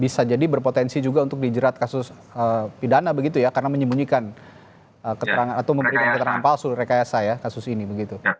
bisa jadi berpotensi juga untuk dijerat kasus pidana begitu ya karena menyembunyikan keterangan atau memberikan keterangan palsu rekayasa ya kasus ini begitu